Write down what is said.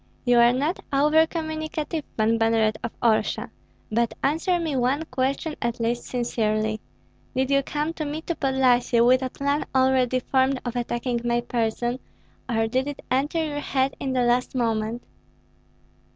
"You are not over communicative, Pan Banneret of Orsha; but answer me one question at least sincerely: Did you come to me, to Podlyasye, with a plan already formed of attacking my person, or did it enter your head in the last moment?"